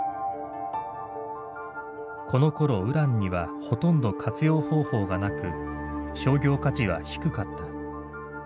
このころウランにはほとんど活用方法がなく商業価値は低かった。